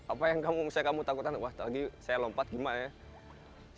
apa yang kamu misalnya kamu takutan wah tadi saya lompat gimana ya